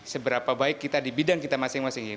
seberapa baik kita di bidang kita masing masing ini